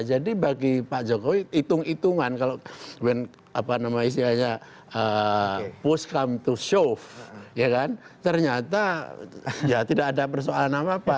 jadi bagi pak jokowi hitung hitungan kalau when apa namanya istilahnya push come to shove ya kan ternyata ya tidak ada persoalan apa apa